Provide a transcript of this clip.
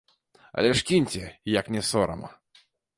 Але ж кіньце, як не сорам.